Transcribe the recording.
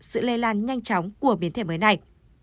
sự lây lan nhanh chóng của biến thể mới này